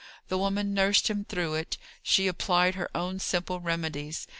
The woman nursed him through it; she applied her own simple remedies.